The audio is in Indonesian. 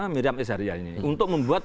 miriam syariah ini untuk membuat